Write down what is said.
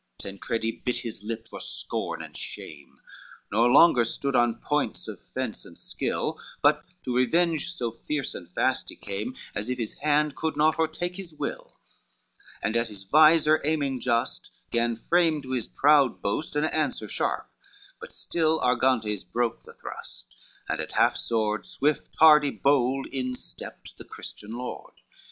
XV Tancredi bit his lip for scorn and shame, Nor longer stood on points of fence and skill, But to revenge so fierce and fast he came As if his hand could not o'ertake his will, And at his visor aiming just, gan frame To his proud boast an answer sharp, but still Argantes broke the thrust; and at half sword, Swift, hardy, bold, in stepped the Christian lord.